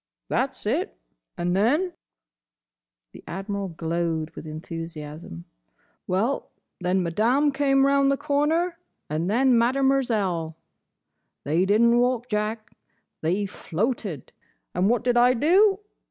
"That's it. And then—" the Admiral glowed with enthusiasm—"well, then Madame came round the corner; and then Mademerzell. They did n't walk, Jack, they floated. And what did I do?